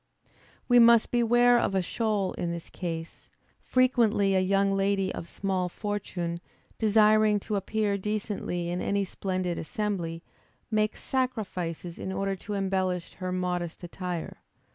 We must beware of a shoal in this case; frequently a young lady of small fortune, desiring to appear decently in any splendid assembly, makes sacrifices in order to embellish her modest attire.